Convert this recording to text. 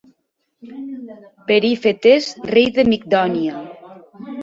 Perifetes, rei de Migdònia.